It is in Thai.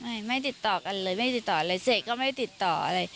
ไม่ไม่ติดต่อกันเลยไม่ติดต่อเลยเสกก็ไม่ติดต่ออะไร